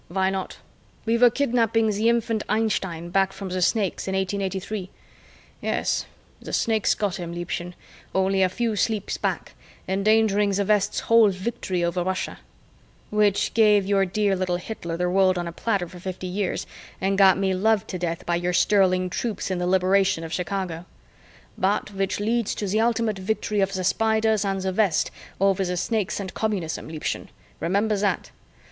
"Why not? We were kidnapping the infant Einstein back from the Snakes in 1883. Yes, the Snakes got him, Liebchen, only a few sleeps back, endangering the West's whole victory over Russia "" which gave your dear little Hitler the world on a platter for fifty years and got me loved to death by your sterling troops in the Liberation of Chicago "" but which leads to the ultimate victory of the Spiders and the West over the Snakes and Communism, Liebchen, remember that.